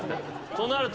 となると。